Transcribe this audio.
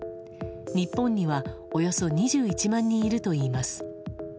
日本にはおよそ２１万人いるといいます。